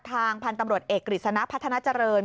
ทางพันธุ์ตำรวจเอกกฤษณะพัฒนาเจริญ